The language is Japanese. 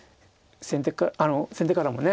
先手からもね